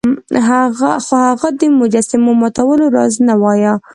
خو هغه د مجسمو ماتولو راز نه وایه.